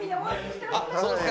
あっそうですか。